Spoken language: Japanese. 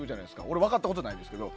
俺、分かったことないんですけど。